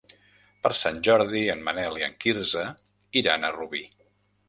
Per Sant Jordi en Manel i en Quirze iran a Rubí.